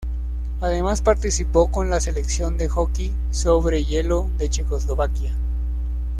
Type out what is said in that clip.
Además participó con la selección de hockey sobre hielo de Checoslovaquia.